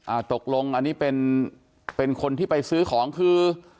ตกลงอันนี้เป็นเป็นคนที่ไปซื้อของคือ